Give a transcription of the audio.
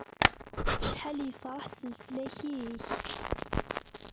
Acḥal iferreḥ s leslak-ik!